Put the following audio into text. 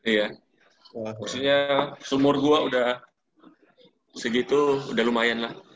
iya maksudnya seumur gue udah segitu udah lumayan lah